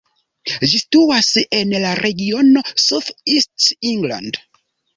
Ĝi situas en la regiono South East England.